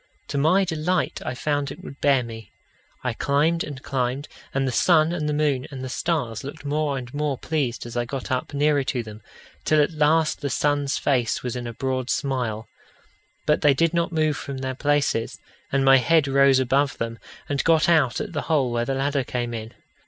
To my delight I found it would bear me. I climbed and climbed, and the sun and the moon and the stars looked more and more pleased as I got up nearer to them, till at last the sun's face was in a broad smile. But they did not move from their places, and my head rose above them, and got out at the hole where the ladder came in.